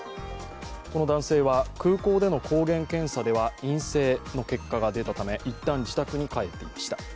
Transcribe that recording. この男性は空港での抗原検査では陰性の結果が出たため一旦自宅に帰っていました。